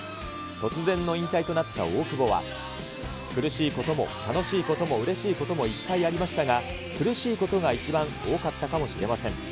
突然の引退となった大久保は、苦しいことも楽しいこともうれしいこともいっぱいありましたが、苦しいことが一番多かったかもしれません。